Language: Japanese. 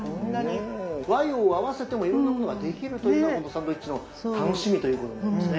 和洋合わせてもいろんなものができるというのがこのサンドイッチの楽しみということになりますね。